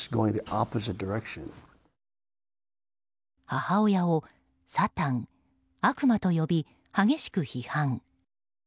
母親をサタン・悪魔と呼び激しく批判。